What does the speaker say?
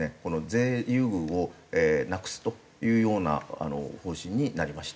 税優遇をなくすというような方針になりました。